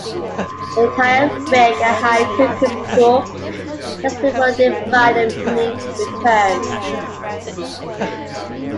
They tie up Rick and hide Cookie's corpse just before Divine and Mink return.